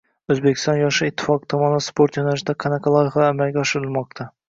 O‘zbekiston yoshlar ittifoqi tomonidan Sport yo‘nalishida qanaqa loyihalar amalga oshirilmoqda?